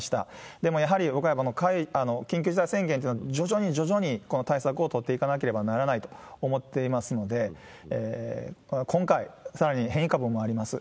でもやはり僕は緊急事態宣言というのは、徐々に徐々にこの対策を取っていかなければならないと思っていますので、今回、さらに変異株もあります。